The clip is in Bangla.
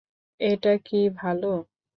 এটা কী ভালো?